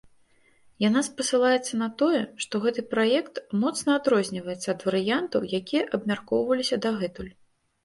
Яна спасылаецца на тое, што гэты праект моцна адрозніваецца ад варыянтаў, якія абмяркоўваліся дагэтуль.